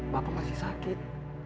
bapak masih sakit